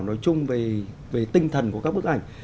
nói chung về tinh thần của các bức ảnh